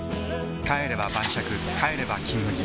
帰れば晩酌帰れば「金麦」